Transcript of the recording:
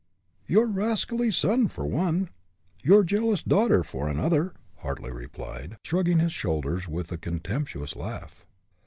"Your rascally son, for one your jealous daughter, for another," Hartly replied, shrugging his shoulders with a contemptuous laugh.